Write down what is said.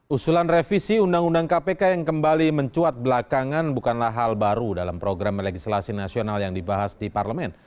usulan revisi undang undang kpk yang kembali mencuat belakangan bukanlah hal baru dalam program legislasi nasional yang dibahas di parlemen